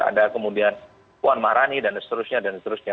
ada kemudian puan maharani dan seterusnya dan seterusnya